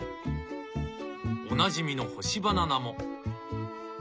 おなじみの干しバナナも。